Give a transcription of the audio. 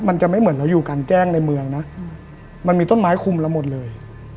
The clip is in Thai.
มันจะไม่เหมือนเราอยู่กลางแจ้งในเมืองนะมันมีต้นไม้คุมเราหมดเลย